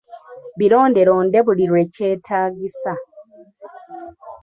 Bironde londe buli lwekyetaagisa.